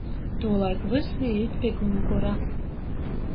Tūlaik vysi īt pi gunkura.